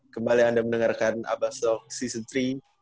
kembali anda mendengarkan abastog season tiga